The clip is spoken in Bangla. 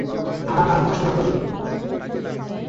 আমার কারো কথা শোনার প্রয়োজন নেই!